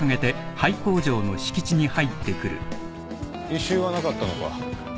異臭はなかったのか？